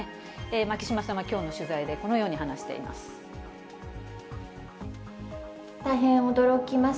牧島さんはきょうの取材でこのように話しています。